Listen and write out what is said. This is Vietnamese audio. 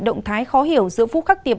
động thái khó hiểu giữa phu khắc tiệp